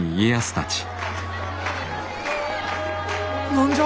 何じゃ？